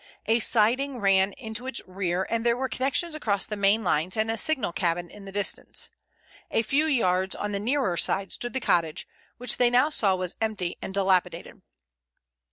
A siding ran into its rear, and there were connections across the main lines and a signal cabin in the distance. A few yards on the nearer side stood the cottage, which they now saw was empty and dilapidated.